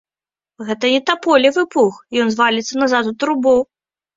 Гэта не таполевы пух, ён зваліцца назад у трубу.